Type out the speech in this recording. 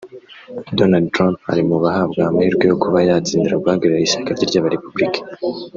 Donald Trump ari mu bahabwa amahirwe yo kuba yatsindira guhagararira ishyaka rye ry’aba-republicains